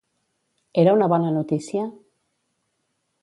Era una bona notícia?